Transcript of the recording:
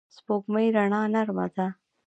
د سپوږمۍ رڼا نرمه ده